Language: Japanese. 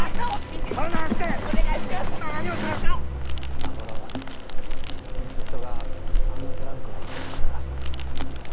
今頃ぬすっとがあのトランクを開けちょったら。